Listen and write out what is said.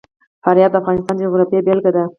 فاریاب د افغانستان د جغرافیې بېلګه ده.